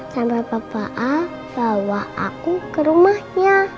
sampai bapak a bawa aku ke rumahnya